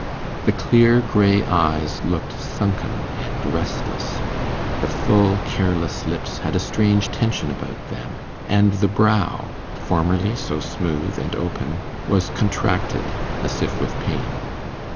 The clear grey eyes looked sunken and restless, the full careless lips had a strange tension about them, and the brow, formerly so smooth and open, was contracted as if with pain.